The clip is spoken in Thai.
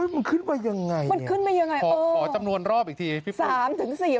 มันขึ้นไปยังไงขอจำนวนรอบอีกที